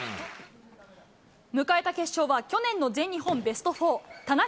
迎えた決勝は、去年の全日本ベスト４、田中佑